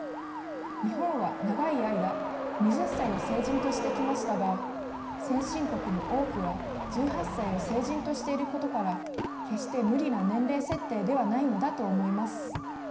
日本は長い間２０歳を成人としてきましたが先進国の多くは１８歳を成人としていることから決して無理な年齢設定ではないのだと思います。